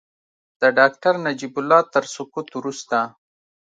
د ډاکټر نجیب الله تر سقوط وروسته.